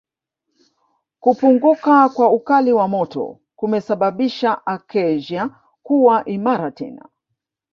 Kupunguka kwa ukali wa moto kumesababisha Acacia kuwa imara tena